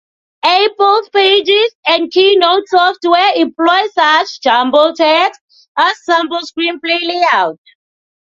Apple's Pages and Keynote software employ such jumbled text as sample screenplay layout.